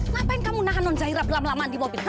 ngapain kamu nahan non zahira belam belamaan di mobil ha